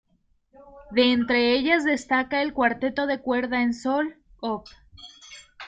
De entre ellas destaca el "Cuarteto de cuerda en Sol", Op.